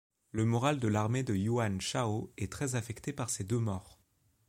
Le moral de l'armée de Yuan Shao est très affecté par ces deux morts.